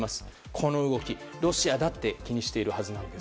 この動き、ロシアだって気にしているはずなんです。